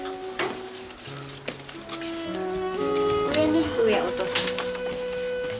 上ね上お父さん。